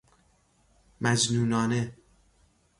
مجنونانه